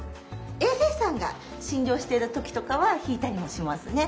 衛生士さんが診療している時とかは弾いたりもしますね。